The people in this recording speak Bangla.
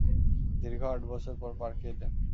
দীর্ঘ আট বছর পর পার্কে এলেন।